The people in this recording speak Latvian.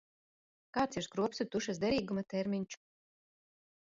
Kāds ir skropstu tušas derīguma termiņš?